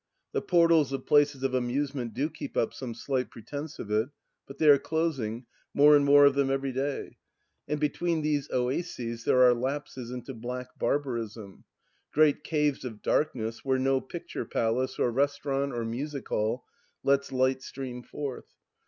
The portals of places of amusement do keep up some slight pretence of it, but they are closing, more and more of them every day. And be tween these oases there are lapses into black barbarism ... great caves of darkness where no picture palace or restaurant or music hall lets light stream forth.